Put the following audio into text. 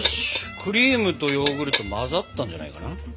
クリームとヨーグルト混ざったんじゃないかな？